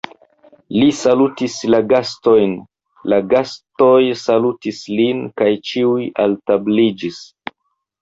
Li salutis la gastojn, la gastoj salutis lin, kaj ĉiuj altabliĝis.